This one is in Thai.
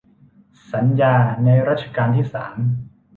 สัญญาในรัชกาลที่สาม